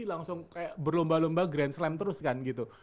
langsung kayak berlomba lomba grand slam terus kan gitu